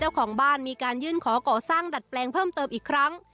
เจ้าของบ้านมีการยื่นขอก่อสร้างดัดแปลงเพิ่มเติมอีกครั้ง